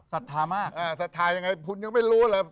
สัทธามากสัทธายังไงคุณยังไม่รู้แหละ